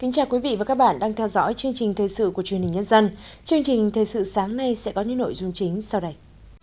chương trình thời sự sáng nay sẽ có những nội dung chính sau đây